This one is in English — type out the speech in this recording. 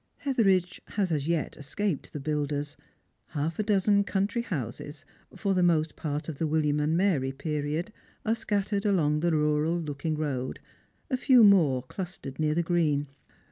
Hetheridge has as yet escaped the builder; half a dozen coimtry houses, for the most part of the Williamand MaTy period, are scattered along the rural looking road, a few more clustered near the green.